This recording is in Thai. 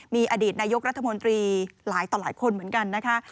มีอดีตนายกรัฐมนตรีหลายต่อหลายคนเหมือนกันนะคะ